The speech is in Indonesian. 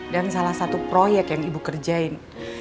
dan salah satu proyek yang ibu kerjain